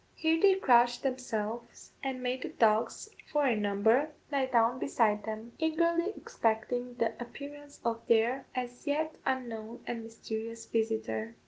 Here they crouched themselves, and made the dogs, four in number, lie down beside them, eagerly expecting the appearance of their as yet unknown and mysterious visitor.